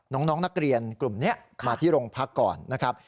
น้องนักเรียนกลุ่มนี้มาที่โรงพักก่อนนะครับ